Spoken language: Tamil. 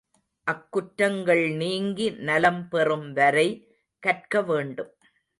அக்குற்றங்கள் நீங்கி நலம் பெறும் வரை கற்க வேண்டும்.